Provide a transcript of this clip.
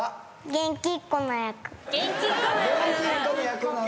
元気っ子の役なの。